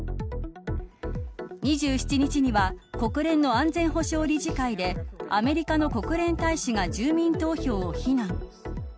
２７日には国連の安全保障理事会でアメリカの国連大使が住民投票を非難。